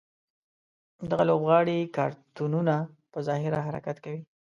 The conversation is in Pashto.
دغه لوبغاړي کارتونونه په ظاهره حرکت کوي.